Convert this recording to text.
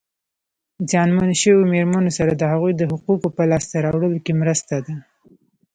زیانمنو شویو مېرمنو سره د هغوی د حقوقو په لاسته راوړلو کې مرسته ده.